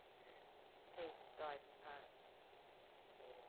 Hase died in Paris.